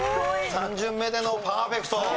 ３巡目でのパーフェクト。